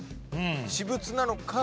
私物なのか